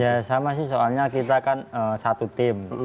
ya sama sih soalnya kita kan satu tim